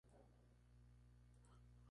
La cubierta es con tejado a dos aguas.